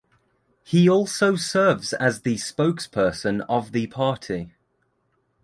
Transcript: He also serves as the spokesperson of the party.